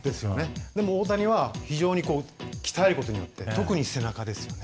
でも大谷は非常に鍛えることによって特に背中ですよね。